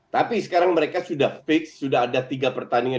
tapi sekarang mereka sudah fix sudah ada tiga pertandingan